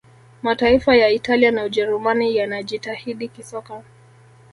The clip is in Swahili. mataifa ya italia na ujerumani yanajitahidi kisoka